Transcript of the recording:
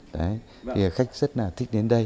thì khách rất là thích đến đây